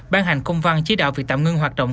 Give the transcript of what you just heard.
ban hành công văn chỉ đạo việc tạm ngưng hoạt động